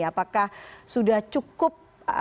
apakah sudah cukup